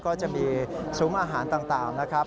ก็จะมีซุ้มอาหารต่างนะครับ